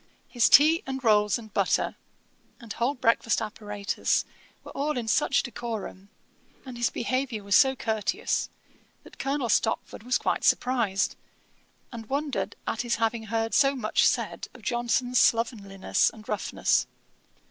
His tea and rolls and butter, and whole breakfast apparatus were all in such decorum, and his behaviour was so courteous, that Colonel Stopford was quite surprised, and wondered at his having heard so much said of Johnson's slovenliness and roughness.